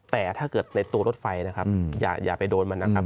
แต่ถ้าเกิดในตัวรถไฟนะครับอย่าไปโดนมันนะครับ